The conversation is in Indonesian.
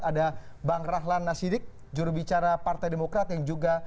ada bang rahlan nasidik jurubicara partai demokrat yang juga